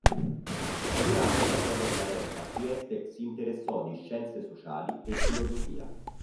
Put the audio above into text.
Durante la sua permanenza a Trieste, si interessò di scienze sociali e filosofia.